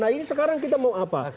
nah ini sekarang kita mau apa